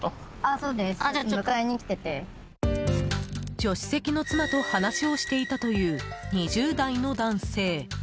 助手席の妻と話をしていたという２０代の男性。